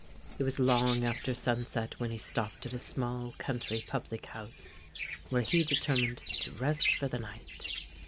It was long after sunset when he stopped at a small country public house, where he determined to rest for the night.